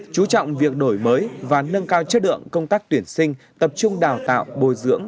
chú trọng việc đổi mới và nâng cao chất lượng công tác tuyển sinh tập trung đào tạo bồi dưỡng